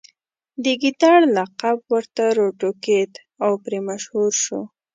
د ګیدړ لقب ورته راوټوکېد او پرې مشهور شو.